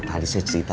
ini boleh ya